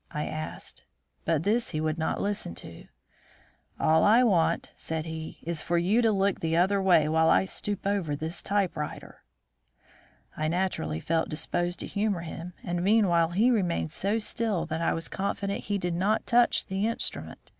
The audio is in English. I asked. But this he would not listen to. "All I want," said he, "is for you to look the other way while I stoop over this typewriter." I naturally felt disposed to humour him, and meanwhile he remained so still that I was confident he did not touch the instrument.